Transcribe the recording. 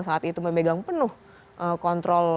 saat itu memegang penuh kontrol